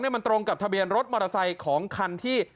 มันตรงกับทะเบียนรถมอเตอร์ไซค์ของคันที่